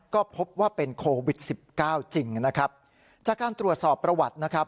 ก็พบว่าเป็นโควิดสิบเก้าจริงนะครับจากการตรวจสอบประวัตินะครับ